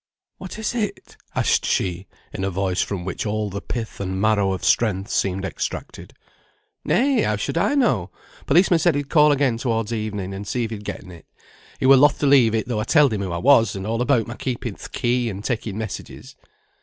"What is it?" asked she, in a voice from which all the pith and marrow of strength seemed extracted. "Nay! how should I know? Policeman said he'd call again towards evening, and see if you'd getten it. He were loth to leave it, though I telled him who I was, and all about my keeping th' key, and taking messages."